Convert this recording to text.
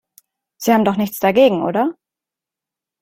Sie haben doch nichts dagegen, oder?